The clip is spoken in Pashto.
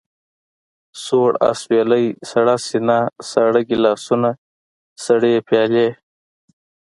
سوړ اسوېلی، سړه سينه، ساړه ګيلاسونه، سړې پيالې.